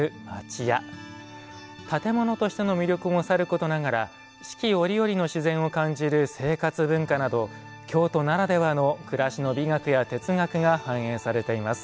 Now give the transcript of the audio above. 建物としての魅力もさることながら四季折々の自然を感じる生活文化など京都ならではの暮らしの美学や哲学が反映されています。